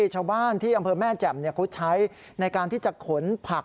ชาวบ้านที่อำเภอแม่แจ่มเขาใช้ในการที่จะขนผัก